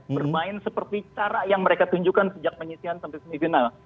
bermain seperti cara yang mereka tunjukkan sejak penyisian sampai semifinal